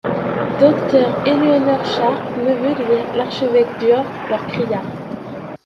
Docteur Eleanor Sharp, neveu de l’archevêque d’York, leur cria